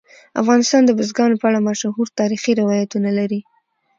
افغانستان د بزګانو په اړه مشهور تاریخي روایتونه لري.